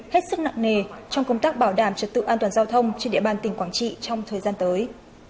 hết sức nặng nề trong công tác bảo đảm trật tự an toàn giao thông trên địa bàn tỉnh quảng trị trong thời gian tới